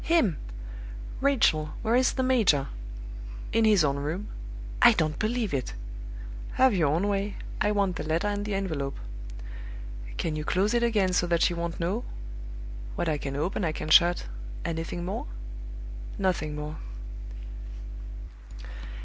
"Him! Rachel, where is the major?" "In his own room." "I don't believe it!" "Have your own way. I want the letter and the envelope." "Can you close it again so that she won't know?" "What I can open I can shut. Anything more?" "Nothing more."